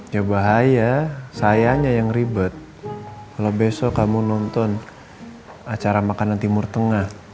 ya bahaya sayanya yang ribet kalau besok kamu nonton acara makanan timur tengah